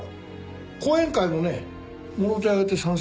後援会もねもろ手を挙げて賛成ですよ。